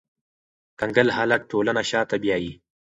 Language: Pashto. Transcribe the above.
کنګل حالت ټولنه شاته بیایي